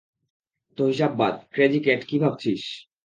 তো, হিসাব বাদ, ক্রেজি ক্যাট, কী ভাবছিস?